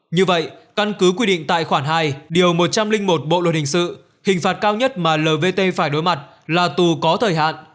như vậy căn cứ quy định tại khoản hai điều một trăm linh một bộ luật hình sự hình phạt cao nhất mà lvt phải đối mặt là tù có thời hạn